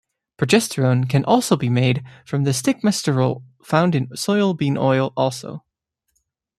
Progesterone can also be made from the stigmasterol found in soybean oil also.